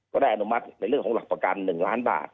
ได้อนุมัติในเรื่องของหลักประกัน๑ล้านบาท